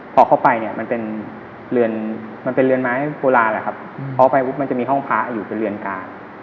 พอเข้าไปมันเป็นเรือนไม้โบราณเพราะเข้าไปมันจะมีห้องพ้าอยู่เป็นเรือนกาล